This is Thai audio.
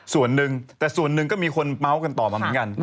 ส่วนหนึ่งแต่ส่วนหนึ่งก็มีคนเมาส์กันต่อมาเหมือนกัน